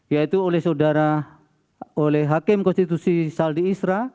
yaitu oleh hakim konstitusi saldi isra